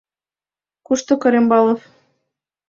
Кушто Корембалов.